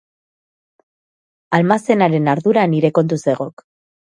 Almazenaren ardura nire kontu zegok.